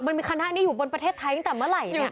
มันมีคณะนี้อยู่บนประเทศไทยตั้งแต่เมื่อไหร่